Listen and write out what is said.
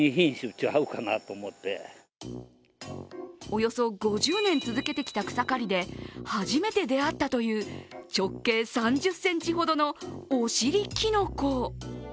およそ５０年続けてきた草刈りで初めて出会ったという直径３０ｃｍほどのお尻きのこ。